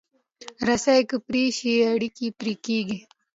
رسۍ که پرې شي، اړیکې پرې کېږي.